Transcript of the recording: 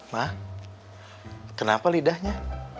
ma kenapa lidahnya